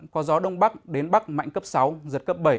có gió đông bắc đến bắc mạnh cấp sáu giật cấp bảy